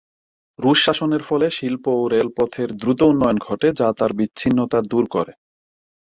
রুশ শাসনের ফলে শিল্প ও রেলপথের দ্রুত উন্নয়ন ঘটে যা তার বিচ্ছিন্নতা দূর করে।